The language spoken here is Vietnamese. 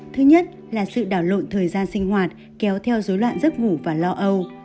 thứ nhất là sự đảo lộn thời gian sinh hoạt kéo theo dối loạn giấc ngủ và lo âu